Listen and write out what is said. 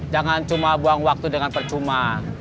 jangan cuma buang waktu dengan percuma